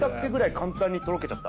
簡単にとろけちゃった。